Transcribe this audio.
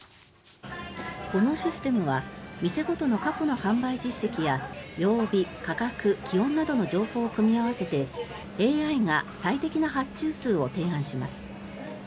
このシステムは店ごとの過去の販売実績や曜日、価格、気温などの情報を組み合わせてＡＩが最適な発注数を提案します。